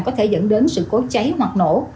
có thể dẫn đến sự cố cháy hoặc nổ